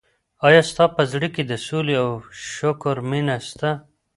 ایا ستا په زړه کي د سولي او شکر مینه سته؟